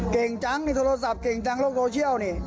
เก่งจังนี่โทรศัพท์เก่งจังโลกโซเชียลนี่